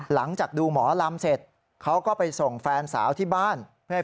หลังจากดูหมอลำเสร็จเขาก็ไปส่งแฟนสาวที่บ้านเพื่อให้